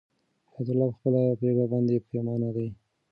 حیات الله په خپله پرېکړه باندې پښېمانه دی.